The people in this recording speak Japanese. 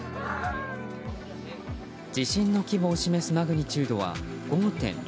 地震の規模を示すマグニチュードは５．６。